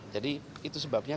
jadi itu sebabnya